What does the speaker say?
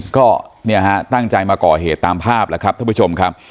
ก็เนี่ยฮะตั้งใจมาก่อเหตุตามภาพแล้วครับท่านผู้ชมครับ